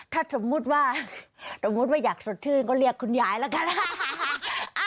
ถ้าสมมุติว่าสมมุติว่าอยากสดชื่นก็เรียกคุณยายแล้วกัน